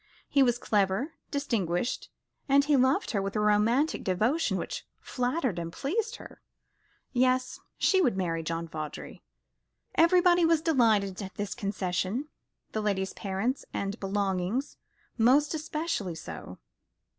He was clever, distinguished, and he loved her with a romantic devotion which flattered and pleased her. Yes, she would marry John Vawdrey. Everybody was delighted at this concession, the lady's parents and belongings most especially so.